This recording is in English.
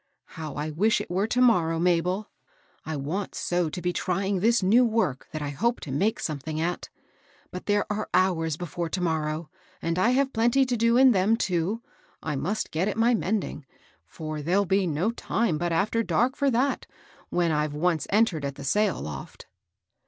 " How I wish it were to morrow, Mabel I I want so to be trying this new work that I hope to make something at. But there are hours before to morrow, and I have plenty to do in them, too. I must get at my mending ; for there'll be no time but after dark for that when I'm once entered at the sail loft."